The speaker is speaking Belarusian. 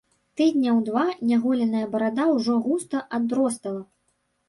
Тыдняў два няголеная барада ўжо густа адростала.